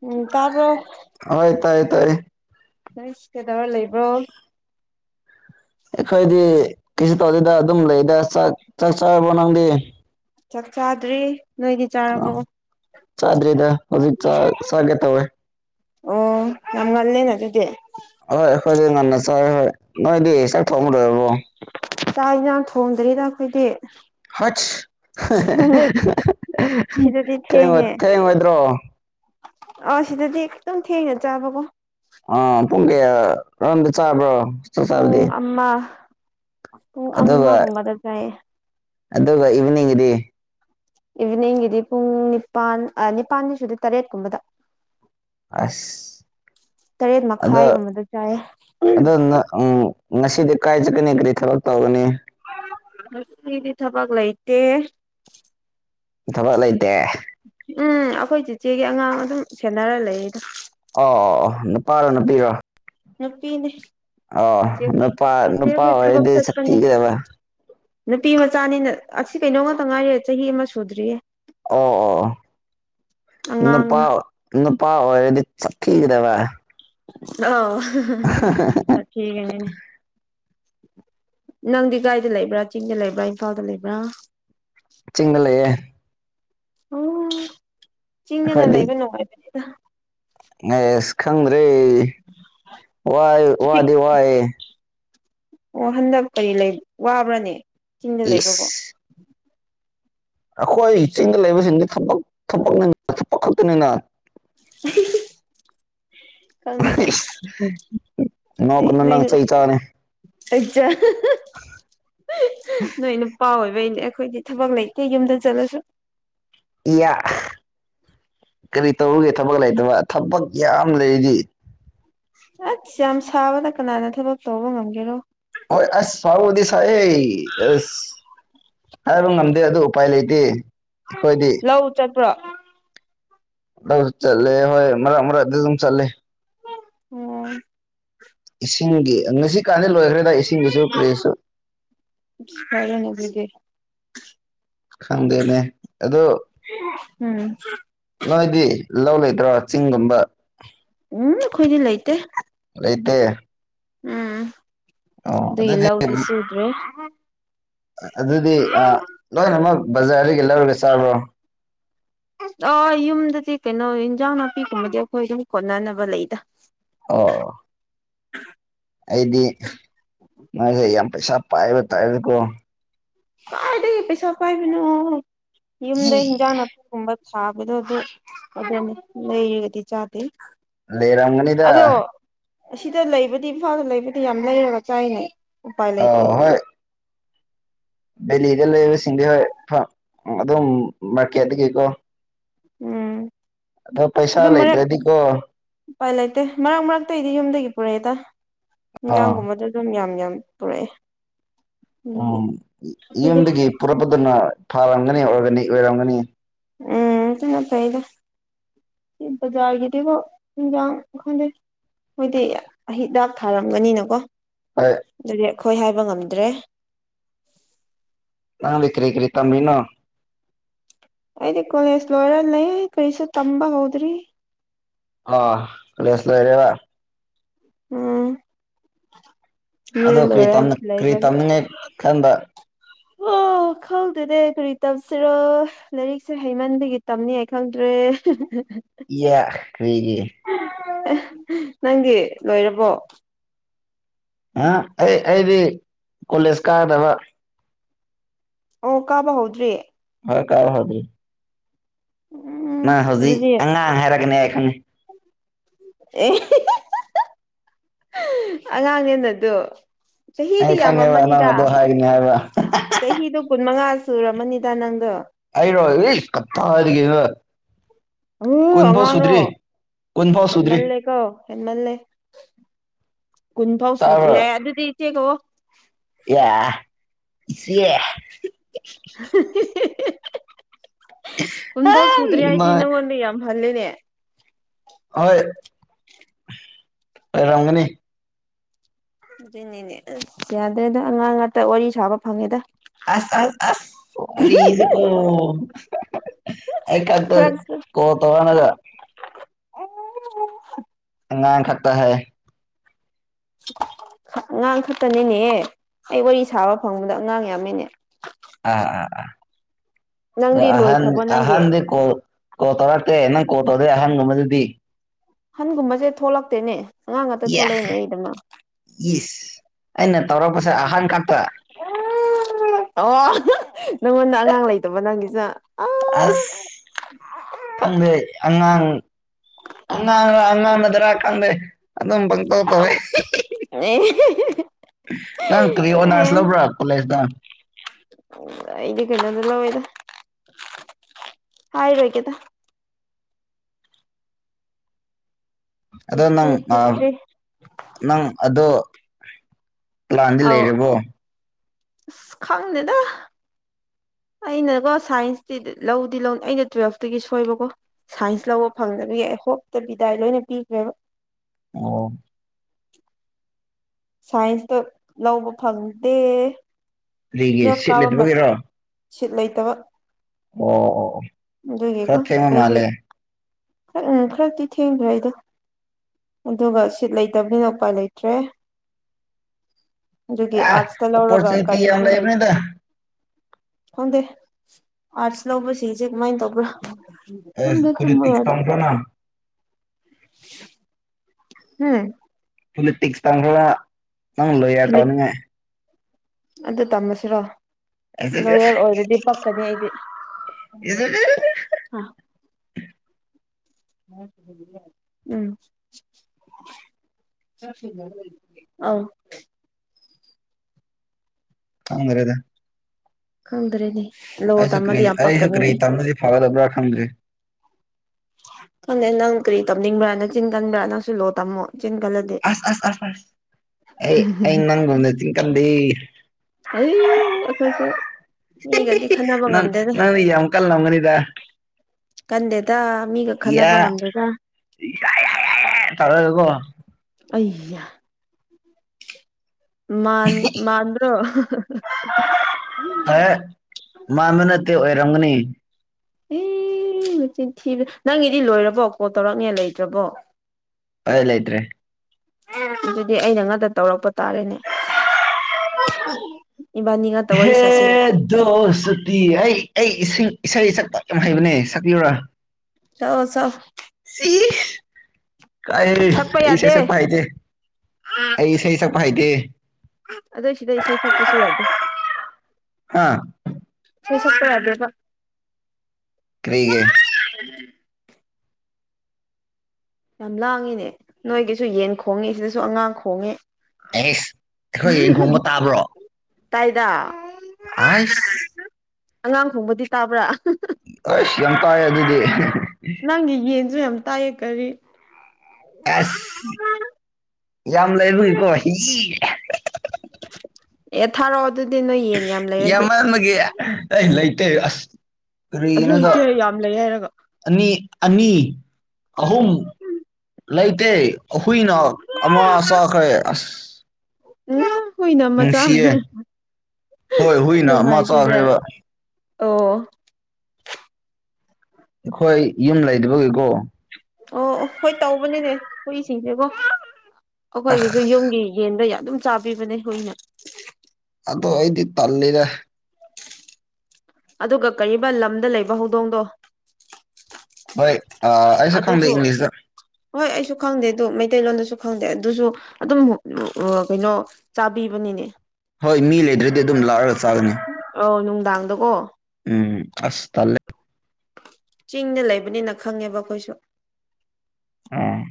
ꯎꯝ ꯇꯥꯕ꯭ꯔꯣ ꯣꯏ ꯇꯥꯏ ꯇꯥꯏ ꯅꯁ ꯀꯩꯗꯧꯔ ꯂꯩꯕ꯭ꯔꯣ ꯑꯩꯈꯣꯏꯗꯤ ꯀꯩꯁꯨ ꯇꯧꯗꯦꯗ ꯑꯗꯨꯝ ꯂꯩꯗꯥꯛ ꯆꯥꯛ ꯆꯥꯕ ꯅꯪꯗꯤ ꯆꯠꯆꯥꯗ꯭ꯔꯤ ꯑ ꯆꯥꯗ꯭ꯔꯤꯗ ꯍꯧꯖꯤꯛ ꯆ ꯆꯥꯒꯦ ꯇꯧꯋꯦ ꯑꯣ ꯅꯪꯒꯂꯦ ꯅ ꯑꯗꯨꯗꯦ ꯍꯈꯣꯏꯗ ꯉꯥꯟꯅꯁ ꯍꯣꯏ ꯅꯣꯏꯗꯤ ꯍ ꯆ ꯊꯣꯡꯃꯗꯔꯕꯣ ꯇꯥꯛ ꯏꯟꯖꯥꯡ ꯊꯣꯡꯗꯔꯤꯗ ꯑꯩꯈꯣꯏꯗꯤ ꯍꯠ ꯁꯤꯗꯗꯤ ꯊ ꯊꯦꯡꯉꯦ ꯊꯦꯡꯗ꯭ꯔꯣ ꯑ ꯁꯤꯗꯗꯤ ꯑꯦꯗ ꯊꯦꯡꯅ ꯆꯥꯕ ꯀ ꯑ ꯄꯨꯡ ꯀꯌꯥ ꯔꯝꯗ ꯆꯥꯕ꯭ꯔꯣ ꯆꯥꯛ ꯎ ꯆꯥꯕꯗꯤ ꯑꯃ ꯄꯨꯡ ꯑꯗꯨꯒ ꯑꯃꯒꯨꯝꯕꯗ ꯆꯥꯏꯌꯦ ꯑꯗꯨꯒ ꯏꯚꯅꯤꯡꯒꯤꯗꯤ ꯏꯚꯤꯅꯤꯡꯒꯤꯗꯤ ꯄꯨꯡ ꯅꯤꯄꯥꯟ ꯅꯤꯄꯥꯜꯅꯤ ꯁꯗꯤ ꯇꯔꯦꯠꯀꯨꯝꯕꯗ ꯑꯁ ꯇꯔꯦꯠ ꯑꯗ ꯃꯈꯥꯏꯒꯨꯝꯕꯗ ꯆꯥꯏꯌꯦ ꯑꯗ ꯅ ꯎꯝ ꯉꯁꯤꯗꯤ ꯀꯥꯏ ꯆꯠꯀꯅꯤ ꯀꯔꯤ ꯊꯕꯛ ꯇꯧꯒꯅꯤ ꯁꯗꯤ ꯊꯕꯥꯛꯂꯥꯏꯇꯦ ꯊꯕꯛ ꯂꯩꯇꯦ ꯎꯝ ꯑꯩꯈꯣꯏ ꯆꯤꯆꯦꯒꯤ ꯑꯉꯥꯡ ꯑꯗꯨꯝ ꯁꯦꯟꯅꯔ ꯂꯩꯗ ꯑ ꯑ ꯑꯣ ꯅꯨꯄꯥꯔ ꯅꯨꯄꯤꯔꯣ ꯅꯄꯤꯅꯦꯦ ꯑꯣ ꯅꯨꯄꯥ ꯅꯨꯄꯥ ꯊꯕꯛ ꯑꯣꯏꯔꯗꯤ ꯆꯠ ꯀꯅꯤ ꯁꯛꯊꯤꯒꯗꯕ ꯅꯨꯄꯤ ꯃꯆꯥꯅꯤꯅ ꯑꯁꯤ ꯀꯩꯅꯣ ꯉꯥꯛꯇ ꯉꯥꯏꯔꯤꯦ ꯆꯍꯤ ꯑꯃ ꯁꯨꯗ꯭ꯔꯤꯌꯦ ꯑꯣ ꯑꯣ ꯅꯨꯄꯥ ꯑꯉꯥꯡꯅꯦ ꯅꯨꯄꯥ ꯑꯣꯏꯔꯗꯤ ꯆꯥꯛꯈꯤꯤꯒꯗꯕ ꯑ ꯊꯒꯅꯦꯅꯦ ꯅꯪꯗꯤ ꯒꯥꯥꯏꯗ ꯂꯩꯕ꯭ꯔꯥ ꯆꯤꯡꯗ ꯂꯩꯕ꯭ꯔꯥ ꯏꯝꯐꯥꯜꯗ ꯂꯩꯕ꯭ꯔꯥ ꯆꯤꯡꯒ ꯂꯩꯌꯦꯦ ꯎꯝ ꯆꯤꯡꯗꯅ ꯂꯩꯕ ꯅꯨꯡꯉꯥꯏꯕꯅꯤꯗ ꯑꯦꯁ ꯈꯪꯗ꯭ꯔꯦ ꯋꯥꯏ ꯄꯤꯛ ꯋꯥꯗꯤ ꯋꯥꯏ ꯑꯣ ꯍꯟꯗꯛ ꯀꯔꯤ ꯋꯥꯕ꯭ꯔꯅꯦ ꯆꯤꯡꯗ ꯂꯩꯕꯀꯣ ꯏꯁ ꯑꯩꯈꯣꯏ ꯆꯤꯡꯗ ꯂꯩꯕꯁꯤꯡꯗꯤ ꯊꯕꯛ ꯊꯛꯅꯤ ꯊꯨꯞꯄꯛ ꯈꯛꯇꯅꯤꯅ [unintelligible] ꯈꯪꯗꯦꯗ ꯅꯣꯏ ꯅꯣꯡꯅ ꯂ ꯅꯣꯏꯅ ꯆꯩ ꯆꯥꯒꯅꯤ [unintelligible] ꯅꯣꯏꯅ ꯄꯥꯎꯋꯕꯩꯗꯤ ꯑꯩꯈꯣꯏꯗꯤ ꯊꯕꯛ ꯂꯩꯇꯦ ꯌꯨꯝꯗ ꯆꯠꯂꯁꯨ ꯏꯌꯥ ꯀꯔꯤ ꯇꯧꯔꯨꯒꯦ ꯊꯕꯛ ꯂꯩꯇꯕ ꯊꯕꯛ ꯌꯥꯝ ꯂꯩꯔꯤꯗꯤ ꯑꯁ ꯌꯥꯝ ꯁꯥꯕꯗꯥ ꯀꯅꯥꯅ ꯊꯕꯛ ꯇꯧꯕ ꯉꯝꯒꯦꯔꯣ ꯍꯣꯏ ꯑꯁ ꯁꯥꯎꯕꯗꯤ ꯁꯥꯏꯌ‌ꯦ ꯑꯁ ꯍꯥꯏꯕ ꯉꯝꯗꯦ ꯑꯗꯨ ꯎꯄꯥꯏ ꯂꯩꯇꯦ ꯑꯩꯈꯣꯏꯗꯤ ꯂꯧ ꯆꯠꯄ꯭ꯔꯣ ꯂꯧ ꯆꯠꯂꯦ ꯍꯣꯏ ꯃꯔꯛ ꯃꯔꯥꯗ ꯑꯗꯨꯝ ꯆꯠꯂꯦ ꯑ‌ꯣ ꯏꯁꯤꯡꯒꯤ ꯉꯁꯤ ꯀꯥꯟꯗ ꯂꯣꯏꯈ꯭ꯔꯦꯗ ꯏꯁ [unintelligible] ꯈꯪꯗꯦꯅꯦ ꯑꯗꯣ ꯎꯝ ꯅꯣꯏꯗꯤ ꯂꯧ ꯂꯩꯇ꯭ꯔꯣ ꯆꯤꯡꯒꯨꯝꯕ ꯎꯝ ꯈꯣꯏꯗꯤ ꯂꯩꯇꯦ ꯂꯩꯇꯦ ꯎꯝ ꯑꯣ ꯑꯗꯨꯒꯤ ꯑꯗꯨꯗꯤ ꯂꯧꯗꯨ ꯁꯨꯗꯔ‌‌ꯦ ꯑꯗꯨꯗꯤ ꯑꯥ ꯂꯣꯏꯅꯃꯛ ꯕꯖꯥꯔꯗꯒꯤ ꯂꯧꯔꯒ ꯆꯥꯕ꯭ꯔꯣ ꯑ‌ꯣ ꯌꯨꯝꯗꯗꯤ ꯀꯩꯅꯣ ꯏꯟꯖꯥꯡ ꯅꯥꯄꯤꯒꯨꯝꯕꯗꯤ ꯑꯩꯈꯣꯏ ꯑꯗꯨꯝ ꯀꯣꯟꯅꯅꯕ ꯂꯩꯗ ꯑꯣ ꯑꯩꯗꯤ ꯅꯪꯖꯦ ꯌꯥꯝ ꯄꯩꯁꯥ ꯄꯥꯏꯕ ꯇꯥꯏꯕꯀꯣ ꯀꯥꯏꯗꯒꯤ ꯄꯩꯁꯥ ꯄꯥꯏꯕꯅꯣ ꯏ ꯌꯨꯝꯗ ꯍꯤꯟꯖꯥꯡ ꯅꯥ ꯀꯨꯝꯕꯥ ꯊꯥꯕꯤꯗ‌ꯣ ꯑꯗꯨ ꯑꯗꯨꯅ‌ꯦ ꯂꯩꯔꯥ ꯒꯗꯤ ꯆꯥꯗ‌ꯦ ꯂꯩꯔꯝꯒꯅꯤꯗꯥ ꯑꯁꯤꯗ ꯂꯩꯕꯗꯤ ꯏꯝꯐꯥꯜꯗ ꯂꯩꯕꯗꯤ ꯌꯥꯝ ꯂꯩꯔꯒ ꯆꯥꯏꯅꯦ ꯎꯄꯥꯏ ꯑ ꯂꯩꯇꯦ ꯚꯦꯂꯤꯗ ꯂꯩꯕꯁꯤꯡꯗꯤ ꯍꯣꯏ ꯐꯥ ꯑꯗꯨꯝ ꯃꯥꯔꯀꯦꯠꯇꯒꯤꯀꯣ ꯎꯝ ꯑꯗꯣ ꯑꯗꯨ ꯄꯩꯁꯥ ꯃꯔꯛ ꯂꯩꯇ꯭ꯔꯗꯤꯀꯣ ꯎꯄꯥꯏ ꯂꯩꯇꯦ ꯃꯔꯛ ꯃꯔꯛꯇꯩ ꯗꯤ ꯌꯨꯝꯗꯥꯒꯤ ꯄꯨꯔꯛ ꯏꯗꯥ ꯑ ꯏꯟꯖꯥꯡꯒꯨꯝꯕꯗꯨ ꯑꯗꯨꯝ ꯌꯥꯝ ꯌꯥꯝ ꯄꯨꯔꯛꯑꯦ ꯑꯗꯨꯒꯤ ꯎꯝ ꯑꯩꯈꯣꯏꯗꯤ ꯌꯨꯝꯗꯒꯤ ꯄꯨꯔꯛꯄꯗꯨꯅ ꯐꯥꯔꯝꯒꯅꯤ ꯑꯣꯔꯒꯥꯅꯤꯛ ꯑꯣꯏꯔꯝꯒꯅꯤ ꯎꯝ ꯑꯗꯨꯅ ꯐꯩꯗ ꯕꯖꯥꯔꯒꯤꯗꯤꯀꯣ ꯏꯟꯖꯥꯡ ꯈꯪꯗꯦ ꯍꯣꯏꯗꯤ ꯍꯤꯗꯥꯛ ꯊꯥꯔꯝꯒꯅꯤꯅꯀꯣ ꯑꯩ ꯑꯗꯨꯗꯤ ꯑꯩꯈꯣꯏ ꯍꯥꯏꯕ ꯉꯝꯗ꯭ꯔꯦ ꯅꯪꯗꯤ ꯀꯔꯤ ꯀꯔꯤ ꯇꯝꯃꯤꯅꯣ ꯑꯩꯗꯤ ꯀꯣꯂꯦꯖ ꯂꯣꯏꯔ ꯂꯩ ꯀꯔꯤꯁꯨ ꯇꯝꯕꯥ ꯍꯧꯗ꯭ꯔꯤ ꯑꯥ ꯀꯣꯂꯦꯁ ꯂꯣꯏꯔꯦꯕꯥ ꯎꯝ ꯕꯤꯌ‌ꯦ ꯑꯗꯣ ꯀꯔꯤ ꯂꯣꯏꯔꯥ ꯇꯝꯅ ꯀꯔꯤ ꯂꯩꯕꯅꯤ ꯇꯝꯅꯤꯡꯉꯥꯏ ꯈꯟꯕ ꯈꯪꯗꯦꯅ‌ꯦ ꯀꯔꯤ ꯇꯝꯁꯤꯔꯣ ꯂꯥꯏꯔꯤꯛꯁꯦ ꯍꯩꯃꯟꯕꯒꯤ ꯇꯝꯅꯤ ꯍꯥꯏ ꯈꯪꯗ꯭ꯔꯦ [unintelligible] ꯏꯌꯥ ꯀꯔꯤꯒꯤ ꯅꯪꯗꯤ ꯂꯣꯏꯔꯥꯕꯣ ꯑꯥ ꯑꯩ ꯑꯩꯗꯤ ꯀꯣꯂꯦꯖ ꯀꯥꯗꯕ ꯑꯣ ꯀꯥꯕ ꯍꯧꯗ꯭ꯔꯤ ꯍꯣꯏ ꯀꯥꯕ ꯍꯧꯗ꯭ꯔꯤ ꯎꯝ ꯅꯪ ꯍꯧꯖꯤꯛ ꯑꯗꯨꯗꯤ ꯑꯉꯥꯡ ꯍꯥꯏꯔꯛꯀꯅꯤ ꯑꯩ ꯈꯪꯉꯦ ꯑꯦ [unintelligible] ꯑꯉꯥꯡꯅꯦꯅꯗꯨ ꯆꯍꯤꯗꯤ ꯑꯩ ꯈꯪꯉꯦꯕ ꯅꯪ ꯌꯥꯃꯝꯃꯅꯤꯗꯥ ꯑꯗꯣ ꯍꯥꯏꯒꯅꯤ ꯍꯥꯏꯕ ꯆꯍꯤꯗꯣ ꯀꯨꯟ ꯃꯉꯥ ꯁꯨꯔꯝꯃꯅꯤꯗ ꯅꯪꯗꯣ ꯑꯩꯔꯣ ꯏꯁ ꯀꯠꯗꯤꯗꯒꯤꯅ‌ꯣ ꯗꯥ ꯑ‌ꯣ ꯑꯉꯥꯡꯔꯣ ꯀꯨꯟꯐꯥꯎ ꯁꯨꯗ꯭ꯔꯤ ꯍꯦꯟꯃꯜꯂꯦ ꯀꯣ ꯍꯦꯟꯃꯜꯂꯦ ꯀꯨꯟꯐꯧ ꯁꯨꯗ꯭ꯔꯤ ꯇꯥꯕ꯭ꯔꯣ ꯍꯦ ꯑꯗꯨꯗꯤ ꯏꯆꯦ ꯀꯧꯑꯣ ꯌꯥ ꯏꯆꯦ ꯍꯥ ꯀꯟꯐꯥꯎ ꯁꯨꯗ꯭ꯔꯤ ꯃꯥ ꯍꯥꯏꯗꯤ ꯅꯪꯉꯣꯟꯗ ꯌꯥꯝ ꯍꯜꯂꯦꯅꯦ ꯍꯣꯏ ꯑꯣꯏꯔꯝꯒꯅꯤ ꯑꯗꯨꯏꯅꯤꯅꯦ ꯑꯁ ꯌꯥꯗ꯭ꯔꯦꯗ ꯑꯉꯥꯡ ꯉꯥꯛꯇ ꯋꯥꯔꯤ ꯁꯥꯕ ꯐꯪꯉꯦꯗ ꯑꯁ ꯑꯁ ꯑꯁ ꯋꯔꯤꯗꯤꯀꯣ ꯑꯩ ꯈꯛꯇꯛ ꯈꯔꯁꯨ ꯀꯣꯜ ꯇꯧꯔꯍꯜꯂꯥ ꯑꯉꯥꯡ ꯈꯛꯇꯥ ꯍꯥꯏꯌꯦ ꯑꯉꯥꯡ ꯈꯛꯇꯅꯤꯅꯦ ꯑꯩ ꯋꯥꯔꯤ ꯁꯥꯕ ꯐꯪꯕꯗꯣ ꯑꯉꯥꯡ ꯌꯥꯝꯃꯤꯅꯦ ꯑꯥ ꯑꯥ ꯑꯥ ꯅꯪꯗꯤ ꯑꯍꯟ ꯂꯣꯏꯈ꯭ꯔꯕꯣ ꯅꯪꯒꯤ ꯑꯍꯟ ꯗꯤ ꯀꯣꯜ ꯀꯣꯜ ꯇꯧꯔꯛꯇꯦ ꯅꯪ ꯀꯣꯜ ꯇꯧꯔꯦ ꯑꯍꯟꯒꯨꯝꯕꯗꯨꯗꯤ ꯍꯟꯒꯨꯝꯕꯁꯦ ꯊꯣꯛꯂꯛꯇꯦꯅꯦ ꯑꯉꯥꯡ ꯉꯥꯛꯇ ꯌꯥ ꯊꯣꯛꯂꯛꯏꯅꯦ ꯑꯩꯗꯃꯛ ꯏꯁ ꯑꯩꯅ ꯇꯧꯔꯛꯄꯁꯦ ꯑꯍꯥꯟ ꯈꯛꯇ ꯑꯣ ꯅꯪꯉꯣꯟꯗ ꯑꯉꯥꯡ ꯂꯩꯇꯕ ꯅꯪꯒꯤꯁꯨ ꯑꯁ ꯈꯪꯗꯦ ꯑꯉꯥꯡ ꯑꯉꯥꯡꯔ ꯑꯉꯥꯡꯅꯗ꯭ꯔꯥ ꯈꯪꯗꯦ ꯑꯗꯨꯝ ꯄꯪꯇꯧ ꯇꯧꯋꯦ [unintelligible] ꯅꯪ ꯀꯔꯤ ꯑꯦ ꯑꯣꯅꯔꯁ ꯂꯧꯕ꯭ꯔꯥ ꯀꯣꯂꯦꯖꯇ ꯑꯩꯗꯤ ꯀꯩꯅꯣꯗ ꯂꯧꯋꯦꯗ ꯍꯥꯏꯔꯣꯏ ꯒꯦꯗ ꯑꯗꯣ ꯅꯪ ꯍꯤꯁꯇ꯭ꯔꯤ ꯑꯥ ꯍꯤꯁꯇ꯭ꯔꯤ ꯅꯪ ꯑꯗꯣ ꯄꯂꯥꯥꯟꯗꯤ ꯑꯧ ꯂꯩꯔꯤꯕꯣ ꯑꯁ ꯈꯪꯗꯦꯗꯥ ꯑꯩꯅꯀꯣ ꯁꯥꯏꯟꯁꯇꯤ ꯂꯧꯗꯤ ꯂꯧꯅꯤ ꯑꯩꯅ ꯇꯨꯋꯦꯜꯐꯇꯒꯤ ꯁꯣꯏꯕꯀꯣ ꯁꯥꯏꯟꯁ ꯂꯧꯕ ꯐꯪꯗꯕꯒꯤ ꯑꯩ ꯍꯣꯞꯇꯕꯤꯗꯥꯏ ꯂꯣꯏꯅ ꯄꯤꯈ꯭ꯔꯦꯕ ꯑꯣ ꯁꯥꯏꯟꯁꯇꯨ ꯂꯧꯕ ꯐꯪꯗꯦ ꯀꯔꯤꯒꯤ ꯇꯨꯋꯦꯜꯐ ꯁꯤꯠ ꯀꯥꯕ ꯃꯠ ꯂꯩꯇꯕꯒꯤꯔꯣ ꯁꯤꯠ ꯂꯩꯇꯕ ꯑꯣ ꯑꯣ ꯑꯣ ꯈꯔ ꯑꯗꯨꯏꯒꯤꯀꯣ ꯊꯦꯡꯕ ꯑꯩꯗꯤ ꯃꯥꯜꯂꯦ ꯈꯔ ꯎ ꯈꯔꯗꯤ ꯊꯦꯡꯈ꯭ꯔꯦ ꯑꯩꯗꯣ ꯑꯗꯨꯒ ꯁꯤꯠ ꯂꯩꯇꯕꯅꯤꯅ ꯎꯄꯥꯏ ꯂꯩꯇ꯭ꯔꯦ ꯑꯗꯨꯒꯤ ꯑꯦ ꯑꯥꯠꯁꯇ ꯂꯧꯔꯒ ꯑꯣꯄꯣꯔꯆꯨꯅꯤꯇꯤ ꯌꯥꯝ ꯀꯔꯤꯁꯨ ꯍꯩꯇꯦ꯫ ꯂꯩꯕꯅꯤꯗ ꯈꯪꯗꯦ ꯑꯥꯔꯠꯁ ꯂꯧꯕꯁꯤꯡꯁꯦ ꯀꯃꯥꯏ ꯇꯧꯕ꯭ꯔꯥ ꯑꯦꯁ ꯇꯨꯝꯗꯤ ꯄꯣꯂꯤꯇꯤꯛꯁ ꯇꯨꯝꯃꯔꯣꯏꯗ ꯇꯝꯈ꯭ꯔꯣꯅ ꯍꯝ ꯄꯣꯂꯤꯇꯤꯛꯁ [unintelligible] ꯅꯪ ꯂꯣꯌꯔ ꯐꯤꯂꯤꯞ ꯇꯧꯅꯤꯉꯥꯏ ꯑꯗꯨ ꯇꯝꯃꯁꯤꯔꯣ ꯂꯣꯌꯔ ꯑꯣꯏꯔꯗꯤ ꯄꯛꯀꯅꯤ ꯑꯩꯗꯤ ꯑ ꯎꯝ [unintelligible] ꯑꯧ ꯈꯪꯗꯔꯦꯗ ꯈꯪꯗꯔꯦꯅꯦ ꯑꯩꯁꯨ ꯀꯔꯤ ꯑꯩꯁꯨ ꯀꯔꯤ ꯇꯝꯂꯗꯤ ꯐꯥꯒꯗꯕ꯭ꯔꯥ ꯈꯪꯗ꯭ꯔꯦ ꯈꯪꯗꯦ ꯅꯪ ꯀꯔꯤ ꯇꯝꯅꯤꯡꯕ꯭ꯔꯥ ꯅꯆꯤꯟ ꯀꯟꯕ꯭ꯔꯥ ꯅꯪꯁꯨ ꯂꯣ ꯇꯝꯃꯣ ꯆꯤꯟ ꯀꯟꯂꯥ ꯑꯁ ꯑꯁ ꯑꯁ ꯑꯁ ꯑꯩ ꯑꯩ ꯅꯪꯒꯨꯝꯅꯥ ꯆꯤꯟ ꯀꯟꯗꯦ ꯍꯩ ꯑꯩꯈꯣꯏꯁꯨ ꯃꯤꯒꯗꯤ ꯈꯠꯅꯕ ꯅꯪ ꯉꯝꯗꯦꯗ ꯅꯪꯗꯤ ꯌꯥꯝ ꯀꯜꯂꯝꯒꯅꯤꯗ ꯀꯟꯗꯦꯗ ꯃꯤꯒ ꯌꯥ ꯈꯠꯅꯕ ꯉꯝꯗꯦꯗ ꯌꯥ ꯇꯧꯔꯒꯀꯣ ꯑꯩꯌꯥ ꯃꯥꯟ ꯃꯥꯟꯕ꯭ꯔꯣ ꯍꯦ ꯃꯟꯕꯥ ꯅꯠꯇꯦ ꯑꯣꯏꯔꯝꯒꯅꯤ ꯍꯤ ꯃꯆꯤꯟ ꯊꯤꯕ ꯅꯪꯒꯤꯗꯤ ꯂꯣꯏꯔꯕꯣ ꯀꯣꯜ ꯇꯧꯔꯛꯅꯤꯉꯥꯏ ꯂꯩꯇ꯭ꯔꯕꯣ ꯑꯩ ꯂꯥꯏꯇ꯭ꯔꯦ ꯑꯗꯨꯗꯤ ꯑꯩꯅ ꯉꯥꯛꯇ ꯇꯧꯔꯛꯄ ꯇꯥꯔꯦꯅꯦ ꯁꯦꯁ ꯏꯕꯥꯅꯤꯒꯥ ꯍꯦꯠ ꯗꯣꯁꯇꯤꯟ ꯑꯩ ꯑꯩ ꯏꯁꯤꯡ ꯏꯁꯩ ꯁꯛꯄ ꯌꯥꯝ ꯍꯩꯕꯅꯦ ꯁꯛꯄꯤꯌꯨꯔꯥ ꯁꯛꯑꯣ ꯁꯛꯑꯣ ꯁꯤ ꯀꯥꯏ ꯑꯩ ꯏꯁꯩ ꯁꯛꯄꯥ ꯍꯩꯇꯦ ꯑꯩ ꯏꯁꯩ ꯁꯛꯄ ꯍꯩꯇꯦ ꯑꯗꯩꯩ ꯁꯤꯗ ꯏꯁꯩ ꯁꯛꯄꯁꯨ ꯌꯥꯗꯦ ꯍꯥꯥ ꯏꯁꯩ ꯁꯛꯄꯥ ꯌꯗꯦꯕꯥ ꯀ꯭ꯔꯤꯒꯤ [unintelligible] ꯌꯥꯝ ꯂꯥꯡꯉꯤꯅꯦ ꯅꯣꯏꯒꯤꯁꯨ ꯌꯦꯟ ꯈꯣꯡꯉꯤ ꯁꯤꯗꯁꯨ ꯑꯉꯥꯡ ꯈꯣꯡꯉꯤ ꯑꯩꯁ ꯑꯩꯈꯣꯏ ꯌꯦꯟ ꯈꯣꯡꯕ ꯇꯥꯕ꯭ꯔꯣ ꯇꯥꯏꯗ ꯑꯥꯏꯁ ꯑꯉꯥꯡ ꯈꯣꯡꯕꯗꯤ ꯇꯥꯕ꯭ꯔꯥ ꯑꯁ ꯌꯥꯝ ꯇꯥꯏ ꯑꯗꯨꯗꯤ ꯅꯪꯒꯤ ꯌꯦꯟꯁꯨ ꯌꯥꯝ ꯇꯥꯏꯑ ꯀꯔꯤ ꯑꯁ ꯌꯥꯝ ꯂꯩꯕꯒꯤꯀꯣ ꯍ ꯑꯦ ꯊꯥꯔꯛꯑꯣ ꯑꯗꯨꯗꯤ ꯅꯣꯏ ꯌꯦꯟ ꯌꯥꯝ ꯂꯩꯔꯗꯤ ꯑꯃꯒꯤ ꯑꯩ ꯂꯩꯇꯦ ꯑꯁ ꯀꯔꯤꯒꯤꯅꯣꯗ ꯂꯩꯇꯦ ꯌꯥꯝ ꯂꯩ ꯍꯥꯏꯔꯒ ꯑꯅꯤ ꯑꯅꯤ ꯑꯍꯨꯝ ꯂꯩꯇꯦ ꯑꯍꯨꯏꯅ ꯑꯃ ꯆꯥꯈ꯭ꯔꯦ ꯑꯁ ꯍꯨꯏꯅ ꯃꯆꯥ ꯅꯨꯡꯁꯤꯌꯦ ꯆꯥꯈ꯭ꯔꯦ ꯍꯣꯏ ꯍꯨꯏꯅ ꯑꯃ ꯅꯨꯡꯉꯥꯏꯇꯦꯗ ꯆꯥꯈ꯭ꯔꯦꯕ ꯑꯣ ꯑꯩꯈꯣꯏ ꯌꯨꯝ ꯂꯩꯗꯕꯒꯤꯀꯣ ꯑꯣ ꯑꯣ ꯍꯣꯏ ꯇꯧꯕꯅꯤꯅꯦ ꯍꯨꯏꯁꯤꯡꯁꯦꯀꯣ ꯑꯁ ꯑꯩꯈꯣꯏꯒꯤꯁꯨ ꯌꯨꯝꯒꯤ ꯌꯦꯟꯗ ꯑꯗꯨꯝ ꯆꯥꯕꯤꯕꯅꯦ ꯍꯨꯏꯅ ꯑꯗꯣ ꯑꯩꯗꯤ ꯇꯜꯂꯤꯗꯥ ꯑꯗꯨꯒ ꯀꯩꯕ ꯂꯝꯗ ꯂꯩꯕ ꯍꯧꯗꯣꯡꯗꯣ ꯕꯩ ꯑꯩꯁꯨ ꯈꯪꯗꯦ ꯑꯗꯨꯁꯨ ꯏꯪꯂꯤꯁꯇ ꯍꯣꯏ ꯑꯩꯁꯨ ꯈꯪꯗꯦ ꯑꯗꯨ ꯃꯩꯇꯩꯂꯣꯟꯗꯁꯨ ꯈꯪꯗꯦ ꯑꯗꯨꯁꯨ ꯑꯗꯨꯝ ꯑꯥ ꯀꯩꯅꯣ ꯆꯥꯕꯤꯕꯅꯤꯅꯦ ꯍꯣꯏ ꯃꯤ ꯂꯩꯗ꯭ꯔꯗꯤ ꯑꯗꯨꯝ ꯂꯥꯛꯔꯒ ꯆꯥꯒꯅꯤ ꯑꯧ ꯅꯨꯡꯗꯥꯡꯗꯀꯣ ꯎꯝ ꯑꯁ ꯇꯜꯂꯦ ꯆꯤꯡꯗ ꯂꯩꯕꯅꯤꯅ ꯈꯪꯉꯦꯕ ꯑꯩꯈꯣꯏꯁꯨ ꯎꯝ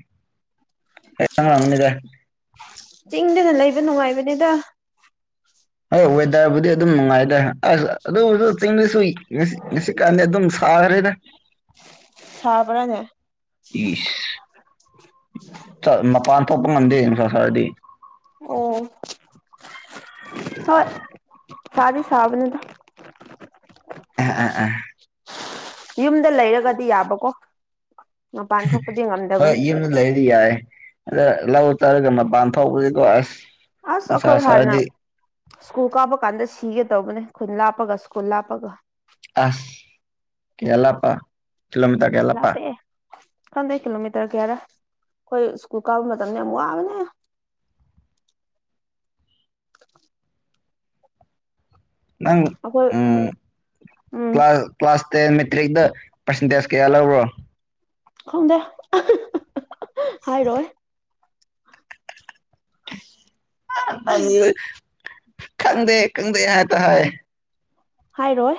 ꯑꯩ ꯑꯉꯥꯡꯅꯤꯗ ꯆꯤꯡꯗꯅ ꯂꯩꯕ ꯅꯨꯡꯉꯥꯏꯕꯅꯤꯗ ꯑ ꯋꯦꯗꯔꯕꯨꯗꯤ ꯑꯗꯨꯝ ꯅꯨꯡꯉꯥꯏꯗꯦ ꯑꯁ ꯑꯗꯨ ꯆꯤꯡꯗꯁꯨꯏ ꯉꯁꯤ ꯉꯁꯤꯀꯥꯟꯗꯤ ꯑꯗꯨꯝ ꯁꯥꯈ꯭ꯔꯦꯗ ꯁꯥꯥꯕꯔꯅꯦ ꯌꯦꯁ ꯃꯄꯥꯟ ꯊꯣꯛꯄ ꯉꯝꯗꯦ ꯅꯨꯡꯁꯥ ꯁꯥꯔꯗꯤ ꯑꯣ ꯍ ꯁꯗꯤ ꯁꯥꯥꯕꯅꯤꯗ ꯑ ꯑꯥ ꯑꯥ ꯌꯨꯝꯗ ꯂꯩꯔꯒꯗꯤ ꯌꯥꯕꯀꯣ ꯃꯄꯥꯟ ꯊꯣꯛꯄꯗꯤ ꯍꯣꯏ ꯉꯝꯗꯕꯅꯤ ꯏ ꯂꯩꯔꯤ ꯌꯥꯏ ꯑꯗ ꯂꯧ ꯇꯔꯒ ꯃꯄꯥꯟ ꯊꯣꯛꯥꯎꯧꯕꯗꯤꯀꯣ ꯑꯁ ꯑꯁ ꯅꯨꯡꯁꯥ ꯑꯩꯈꯣꯏ ꯍꯥꯟꯅ ꯁꯥꯔꯗꯤ ꯁ꯭ꯀꯨꯜ ꯀꯥꯕ ꯀꯥꯟꯗ ꯁꯤꯒꯦ ꯇꯧꯕꯅꯦ ꯈꯨꯟ ꯂꯥꯞꯄꯒ ꯁ꯭ꯀꯨꯜ ꯂꯥꯞꯄꯒ ꯑꯁ ꯀꯌꯥ ꯂꯞꯄꯥ ꯀꯤꯂꯣꯃꯤꯇꯔ ꯀꯌꯥ ꯂꯥꯞꯄ ꯂꯥꯞꯄꯛꯑꯦ ꯈꯪꯗꯦ ꯀꯤꯂꯣꯃꯤꯇꯔ ꯀꯌꯥꯔ ꯑꯩꯈꯣꯏ ꯁ꯭ꯀꯨꯜ ꯀꯥꯕ ꯃꯇꯝꯗ ꯌꯥꯝ ꯋꯥꯕꯅꯦ [inaudible] ꯅꯪ ꯑꯩꯈꯣꯏ ꯎꯪ ꯎꯝ class class ten matric percentage ꯀꯌꯥ ꯂꯧꯕ꯭ꯔꯣ ꯈꯪꯗꯦ ꯍꯥꯏꯔꯣꯏ [unintelligible] ꯈꯪꯗꯦ ꯈꯪꯗꯦ ꯉꯥꯛꯇ ꯍꯥꯏ ꯍꯥꯏꯔꯣꯏ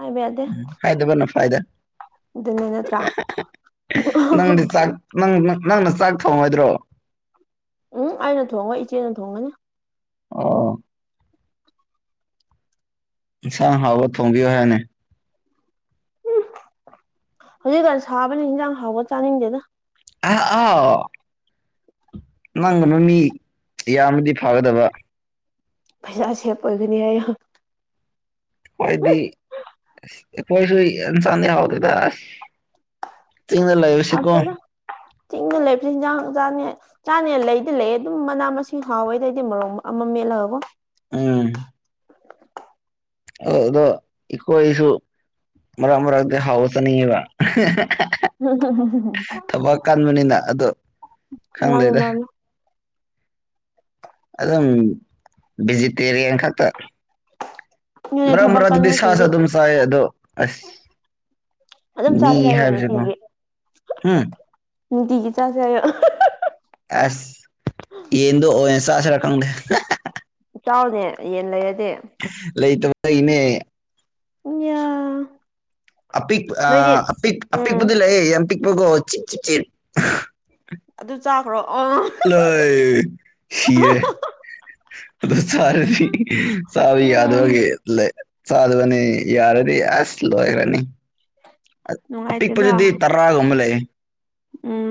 ꯍꯥꯏꯕ ꯌꯥꯗꯦ ꯎꯝ ꯍꯥꯏꯗꯕꯅ ꯐꯥꯏꯗ ꯑꯗꯨꯅꯦ ꯅꯠꯇ꯭ꯔꯥ ꯅꯪꯗꯤ ꯆꯥꯛ ꯅꯪꯅ ꯆꯥꯛ ꯊꯣꯡꯉꯣꯏꯗ꯭ꯔꯣ ꯎꯝ ꯑꯩꯅ ꯊꯣꯡꯉꯣꯏ ꯏꯆꯦꯅ ꯊꯣꯡꯒꯅꯤ ꯑꯣ ꯏꯟꯁꯥꯡ ꯍꯥꯎꯕ ꯊꯣꯡꯕꯤꯌꯣ ꯍꯥꯏꯌꯨꯅꯦ ꯎꯝ ꯍꯧꯖꯤꯛꯀꯥꯟ ꯁꯥꯕꯅꯤ ꯏꯟꯖꯥꯡ ꯍꯥꯎꯕ ꯆꯥꯅꯤꯡꯗꯦꯗ ꯑ ꯑꯥꯎ ꯅꯪꯒꯅ ꯃꯤ ꯌꯥꯝꯃꯗꯤ ꯐꯒꯗꯕ ꯄꯩꯁꯥ ꯁꯦꯞ ꯑꯣꯏꯒꯅꯤ ꯍꯥꯏ ꯈꯣꯏꯗꯤ ꯑꯁ ꯑꯩꯈꯣꯏꯁꯨ ꯌꯦꯟꯁꯥꯡꯗꯤ ꯍꯥꯎꯗꯦꯗ ꯑꯁ ꯆꯤꯡꯗ ꯂꯩꯕꯁꯤꯀꯣ ꯍꯥꯎꯇꯦꯗ ꯆꯤꯡꯗ ꯂꯩꯕꯁꯦ ꯏꯟꯖꯥꯡ ꯆꯥꯅꯤ ꯆꯥꯅꯦ ꯂꯩꯗꯤ ꯂꯩꯑꯦ ꯑꯗꯨꯝ ꯃꯅꯥ ꯃꯁꯤꯡ ꯍꯥꯎꯋꯦꯗ ꯑꯪꯗꯤ ꯃꯣꯔꯣꯛ ꯑꯃ ꯃꯦꯠꯂꯒꯀꯣ ꯎꯝ ꯑ ꯑꯗꯣ ꯏꯈꯣꯏꯁꯨ ꯃꯔꯛ ꯃꯔꯛꯗ ꯍꯥꯎꯕ ꯆꯥꯅꯤꯡꯉꯦꯕ [unintelligible] ꯊꯕꯛ ꯀꯟꯕꯅꯤꯅ ꯑꯗꯣ ꯃꯥꯅꯤ ꯈꯪꯗꯦꯗ ꯃꯥꯅꯤ ꯑꯗꯨꯝ ꯚꯦꯖꯤꯇꯦꯔꯤꯌꯟ ꯈꯛꯇ ꯑꯗꯨꯅꯦ ꯃꯔꯛ ꯊꯕꯛ ꯃꯔꯛꯇꯗꯤ ꯁꯥꯁꯨ ꯀꯟꯕꯁꯤꯡꯗꯤ ꯑꯗꯨꯝ ꯆꯥꯏ ꯑꯗꯣ ꯑꯁ ꯑꯗꯨꯝ ꯃꯤ ꯆꯥꯁꯦ ꯍꯥꯏꯌꯣ ꯍꯥꯏꯕꯁꯤꯀꯣ ꯅꯨꯡꯇꯤꯒꯤ ꯍꯨꯝ ꯅꯨꯡꯇꯤꯒꯤ ꯆꯥꯁꯦ ꯍꯥꯏꯌꯣ ꯑꯦꯁ ꯌꯦꯗꯣ ꯑꯣꯏꯅ ꯆꯥꯁꯦꯔ ꯈꯪꯗꯦ ꯆꯥꯎꯅꯦ ꯌꯦꯟ ꯂꯩꯔꯗꯤ ꯂꯩꯇꯕꯩꯅꯦ ꯎꯝꯌꯥ ꯑꯄꯤꯛ ꯑ ꯑꯄꯤꯛ ꯎꯝ ꯑꯄꯤꯛꯄꯗꯤ ꯂꯩꯑꯦ ꯌꯥꯝ ꯄꯤꯛꯄꯒꯣ ꯆꯤꯛ ꯆꯤꯛ ꯆꯤꯠ ꯑꯗꯨ ꯆꯥꯈ꯭ꯔꯣ ꯑ ꯂꯣꯏ ꯁꯤꯔꯦ ꯑꯗꯨ ꯆꯥꯔꯗꯤ ꯆꯥꯕ ꯎꯝ ꯌꯥꯗꯕꯒꯤ ꯂꯩ ꯆꯥꯗꯕꯅꯤ ꯌꯥꯔꯗꯤ ꯑꯁ ꯂꯣꯏꯈ꯭ꯔꯅꯤ ꯅꯨꯡꯉꯥꯏꯇꯦꯗ ꯑꯄꯤꯛꯄꯗꯨꯗꯤ ꯇ ꯇ꯭ꯔꯥꯒꯨꯝꯕ ꯂꯩꯌꯦ ꯎꯝ